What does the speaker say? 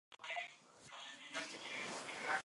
افغانستان د هندوکش پلوه اړیکې لري.